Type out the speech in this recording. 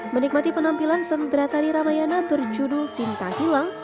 menikmati penampilan sentra tari ramayana berjudul sinta hilang